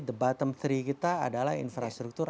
the bottom three kita adalah infrastruktur